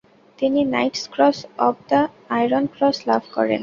তিনি knight's cross of the iron cross লাভ করেন।